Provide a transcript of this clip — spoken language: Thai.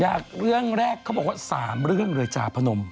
เรื่องแรกเขาบอกว่า๓เรื่องเลยจ่าพนม